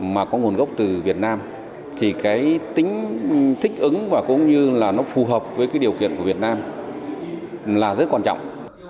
mà có nguồn gốc từ việt nam thì cái tính thích ứng và cũng như là nó phù hợp với cái điều kiện của việt nam là rất quan trọng